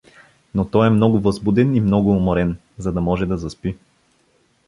Но той е много възбуден и много уморен, за да може да заспи.